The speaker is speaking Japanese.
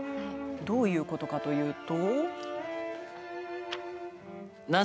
どういうことかというと。